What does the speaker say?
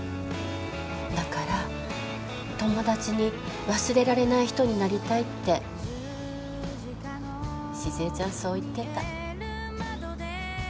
だから友達に忘れられない人になりたいって静江ちゃんそう言ってた。